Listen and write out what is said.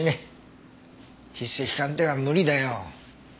筆跡鑑定は無理だよ。